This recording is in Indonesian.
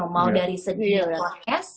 mau dari segi podcast